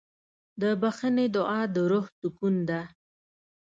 د بښنې دعا د روح سکون ده.